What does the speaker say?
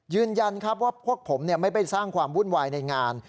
ยืนยันครับว่าพวกผมไม่ไปสร้างความวุ่นวายในงาน